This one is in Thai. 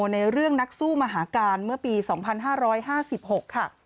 ในเรื่องนักสู้มหาการเมื่อปี๒๕๕๖ค่ะ